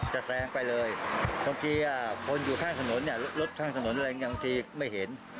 แซงไปเลยบางทีคนอยู่ข้างถนนเนี่ยรถข้างถนนอะไรบางทีไม่เห็น